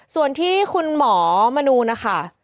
ส่วนที่คุณหมอมนูนะคะ